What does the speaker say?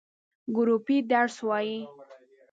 ګروپی درس وایی؟